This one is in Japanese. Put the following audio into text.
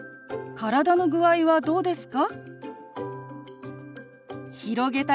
体の具合はどうですか？